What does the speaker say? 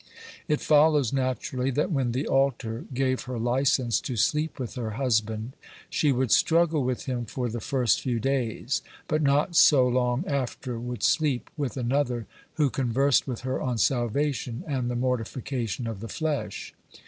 It follows naturally that when the altar gave her licence to sleep with her husband, she would struggle with him for the first few days, but not so long after would sleep with another who conversed with her on salvation and the mortification of the flesh.